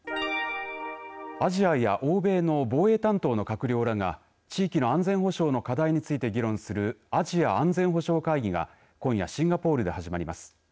アジアや欧米の防衛担当の閣僚らが地域の安全保障の課題について議論するアジア安全保障会議が今夜シンガポールで始まります。